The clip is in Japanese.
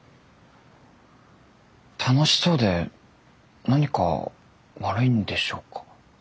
楽しそうで何か悪いんでしょうか？